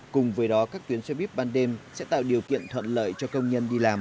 cùng với đó các tuyến xe buýt ban đêm sẽ tạo điều kiện thuận lợi cho công nhân đi làm